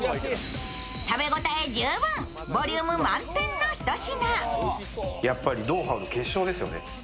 食べ応え十分、ボリューム満点のひと品。